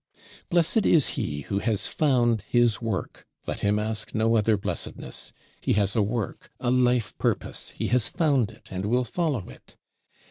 Blessed is he who has found his work; let him ask no other blessedness. He has a work, a life purpose; he has found it, and will follow it!